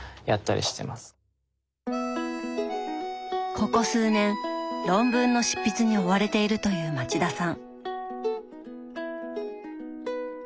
ここ数年論文の執筆に追われているという町田さん。